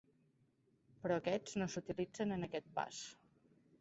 Però aquests no s'utilitzen en aquest pas.